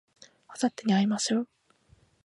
あさってに会いましょう